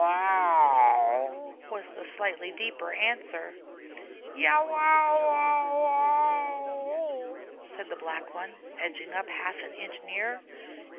"Wow w w!" was the slightly deeper answer. "Ya wow wow wow!" said the Black One, edging up half an inch nearer.